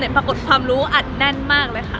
แต่ปรากฏความรู้อัดแน่นมากเลยค่ะ